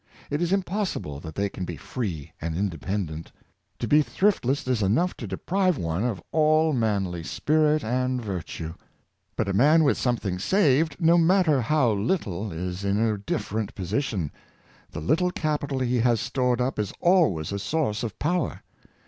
It is impossible that they can be free and independent. To be thriftless is enough to deprive one of all manly spirit and virtue. But a man with something saved, no matter now lit tle, is in a different position. The little capital he has stored up is always a source of power.